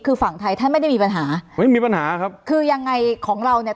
คือฝั่งไทยท่านไม่ได้มีปัญหาไม่มีปัญหาครับคือยังไงของเราเนี่ย